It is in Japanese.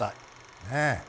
ねえ。